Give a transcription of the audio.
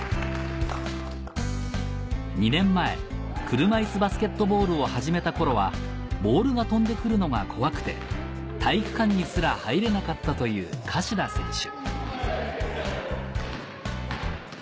２年前車いすバスケットボールを始めた頃はボールが飛んでくるのが怖くて体育館にすら入れなかったという柏田選手